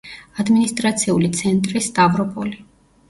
ადმინისტრაციული ცენტრი სტავროპოლი.